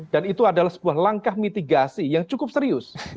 dan itu adalah sebuah langkah mitigasi yang cukup serius